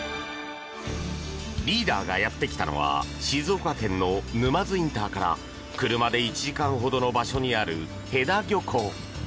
リーダーがやってきたのは静岡県の沼津インターから車で１時間ほどの場所にある戸田漁港。